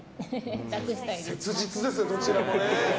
切実ですね、どちらもね。